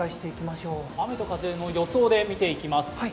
雨と風の予想で見ていきます。